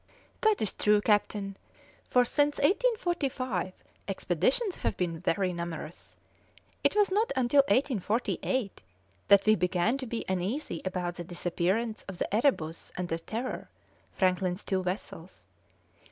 "That is true, captain, for since 1845 expeditions have been very numerous. It was not until 1848 that we began to be uneasy about the disappearance of the Erebus and the Terror, Franklin's two vessels.